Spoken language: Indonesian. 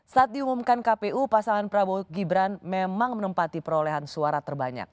saat diumumkan kpu pasangan prabowo gibran memang menempati perolehan suara terbanyak